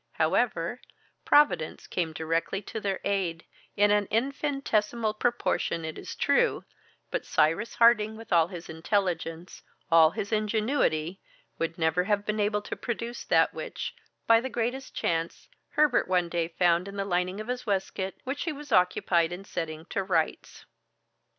However, Providence came directly to their aid, in an infinitesimal proportion it is true, but Cyrus Harding, with all his intelligence, all his ingenuity, would never have been able to produce that which, by the greatest chance, Herbert one day found in the lining of his waistcoat, which he was occupied in setting to rights.